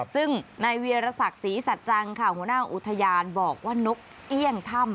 ซึ่งนายเวียรศักดิ์ศรีสัจจังค่ะหัวหน้าอุทยานบอกว่านกเอี่ยงถ้ำ